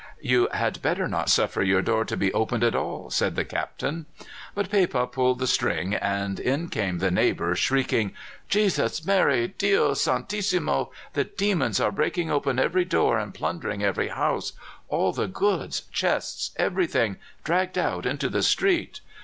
"You had better not suffer your door to be opened at all," said the Captain. But Pepa pulled the string, and in came the neighbour, shrieking: "Jesus! Maria! Dios Santissimo! The demons are breaking open every door and plundering every house; all the goods chests everything dragged out into the street."